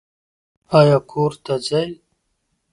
ایا کور ته ځئ؟